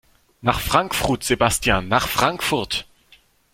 Nach Frankfrut Sebastian, nach Frankfurt!